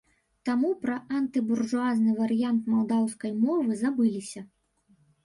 Таму пра антыбуржуазны варыянт малдаўскай мовы забыліся.